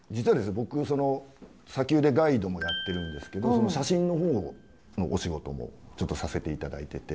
僕砂丘でガイドもやってるんですけど写真のほうのお仕事もちょっとさせて頂いてて。